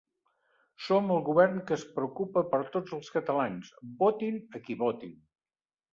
Som el govern que es preocupa per tots els catalans, votin a qui votin.